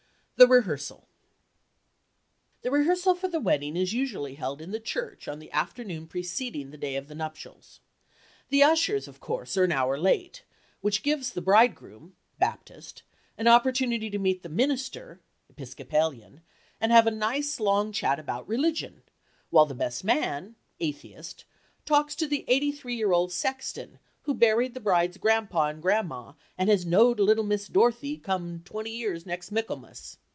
THE REHEARSAL The rehearsal for the wedding is usually held in the church on the afternoon preceding the day of the nuptials. The ushers, of course, are an hour late, which gives the bridegroom (Bap.) an opportunity to meet the minister (Epis.) and have a nice, long chat about religion, while the best man (Atheist) talks to the eighty three year old sexton who buried the bride's grandpa and grandma and has knowed little Miss Dorothy come twenty years next Michaelmas.